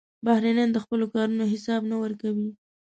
بهرنیان د خپلو کارونو حساب نه ورکوي.